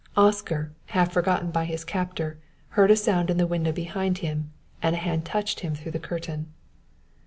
Oscar, half forgotten by his captor, heard a sound in the window behind him and a hand touched him through the curtain.